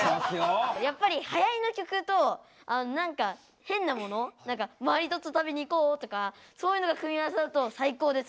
やっぱりはやりの曲となんか変なものマリトッツォ食べに行こうとかそういうのが組み合わさると最高です！